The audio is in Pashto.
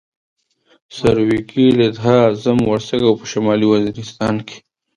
سرویکي، لدها، اعظم ورسک او په شمالي وزیرستان کې.